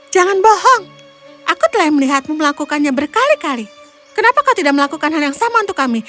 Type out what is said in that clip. jangan bohong aku telah melihatmu melakukannya berkali kali kenapa kau tidak melakukan hal yang sama untuk kami